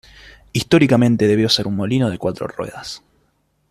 Históricamente debió ser un molino de cuatro ruedas.